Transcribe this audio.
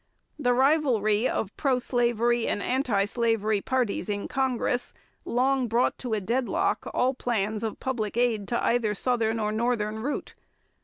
The rivalry of pro slavery and anti slavery parties in Congress long brought to deadlock all plans of public aid to either southern or northern route.